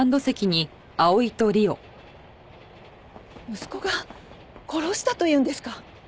息子が殺したというんですか？